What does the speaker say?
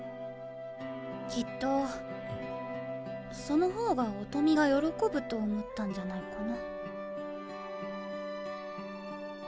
きっとその方が音美が喜ぶと思ったんじゃないかな。